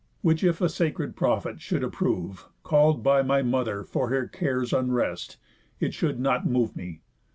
Which if a sacred prophet should approve, Call'd by my mother for her care's unrest, It should not move me.